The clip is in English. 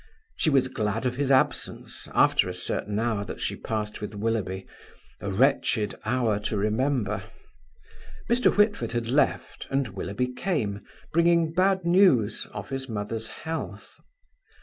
She was glad of his absence, after a certain hour that she passed with Willoughby, a wretched hour to remember. Mr. Whitford had left, and Willoughby came, bringing bad news of his mother's health.